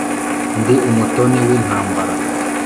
ndi umutoni w'intambara,